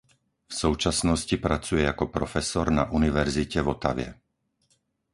V současnosti pracuje jako profesor na univerzitě v Ottawě.